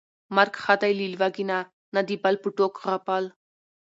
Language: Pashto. مرګ ښه دى له لوږې نه، نه د بل په ټوک غپل